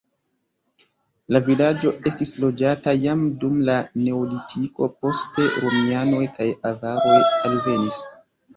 La vilaĝo estis loĝata jam dum la neolitiko, poste romianoj kaj avaroj alvenis.